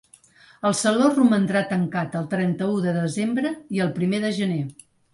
El saló romandrà tancat el trenta-u de desembre i el primer de gener.